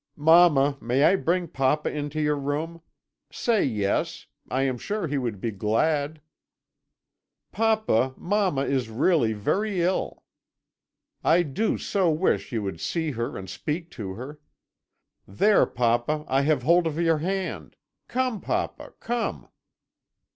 "'Mamma, may I bring papa into your room? Say yes. I am sure he would be glad.' "'Papa, mamma is really very ill. I do so wish you would see her and speak to her! There, papa, I have hold of your hand. Come, papa, come!'